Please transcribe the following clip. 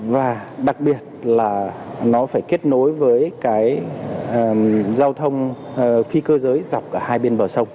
và đặc biệt là nó phải kết nối với cái giao thông phi cơ giới dọc hai bên bờ sông